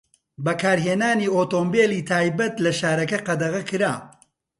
بەکارهێنانی ئۆتۆمبێلی تایبەت لە شارەکە قەدەغە کرا.